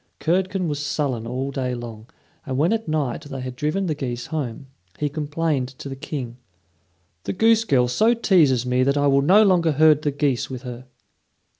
Curdken was sullen all day long, and when at night they had driven the geese home, he complained to the King: "The goose girl so teases me that I will no longer herd the geese with her."